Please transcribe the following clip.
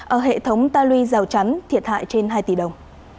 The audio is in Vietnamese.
ở hệ thống ta lui rào chắn thiệt hại trên hai tỷ đồng